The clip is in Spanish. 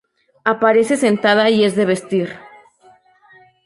Aparece sentada y es de vestir.